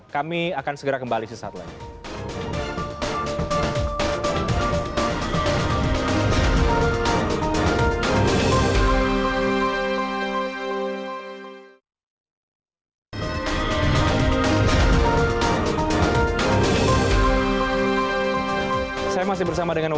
kami akan segera kembali sesaat lain